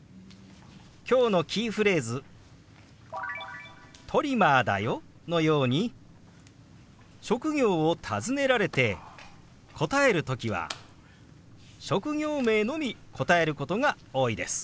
今日のキーフレーズ「トリマーだよ」のように職業を尋ねられて答える時は職業名のみ答えることが多いです。